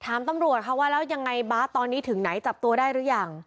ตำรวจค่ะว่าแล้วยังไงบาสตอนนี้ถึงไหนจับตัวได้หรือยัง